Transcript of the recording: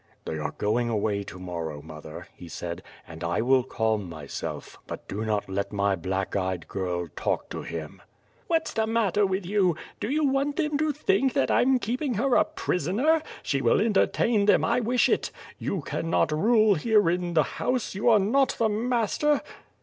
"They are going away to morrow, mother," he said, "and I will calm myself, but do not let my black eyed girl talk to him." "What's the matter with you? Do you want them to think that I'm keeping her a prisoner? She will entertain them, I wish it. You can not rule here in the house, you are not the master!"